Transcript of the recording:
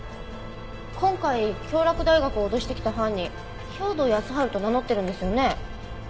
今回京洛大学を脅してきた犯人兵働耕春と名乗ってるんですよね？